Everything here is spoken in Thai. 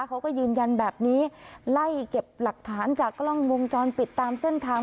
เขาก็ยืนยันแบบนี้ไล่เก็บหลักฐานจากกล้องวงจรปิดตามเส้นทาง